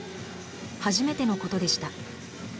初めてのことでした。